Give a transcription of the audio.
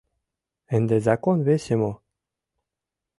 Ынде закон весе мо?